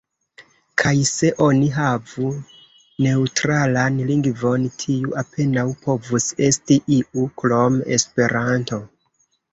Kaj se oni havu neŭtralan lingvon, tiu apenaŭ povus esti iu krom Esperanto!